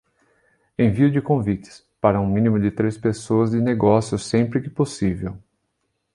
Envio de convites: para um mínimo de três pessoas de negócios, sempre que possível.